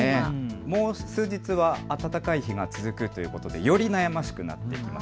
もう数日は暖かい日が続くということでより悩ましくなっています。